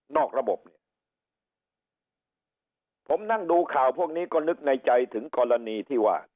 ระบบเนี่ยผมนั่งดูข่าวพวกนี้ก็นึกในใจถึงกรณีที่ว่า